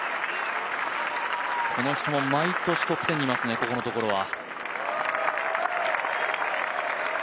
この人も毎年トップ１０にいますね、ここのところは。